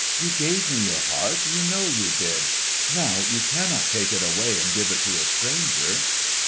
"You gave me your heart—you know you did! Now you cannot take it away and give it to a stranger!"